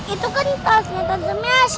itu kan tasnya tante messy